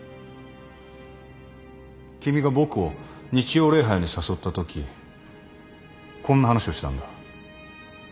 君が僕を日曜礼拝に誘ったときこんな話をしたんだ。